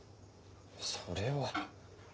それは。